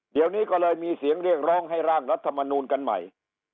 เดี๋ยวนี้ก็เลยมีเสียงเรียกร้องให้ร่างรัฐมนูลกันใหม่